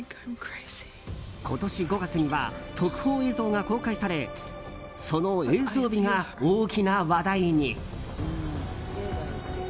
今年５月には特報映像が公開されその映像美が大きな話題に。